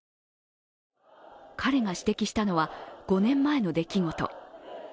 彼が指摘したのは５年前の出来事。